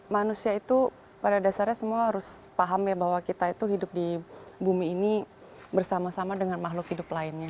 manusia itu pada dasarnya semua harus paham ya bahwa kita itu hidup di bumi ini bersama sama dengan makhluk hidup lainnya